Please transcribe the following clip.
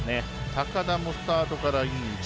高田もスタートからいい位置。